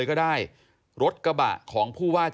ขอบคุณครับและขอบคุณครับ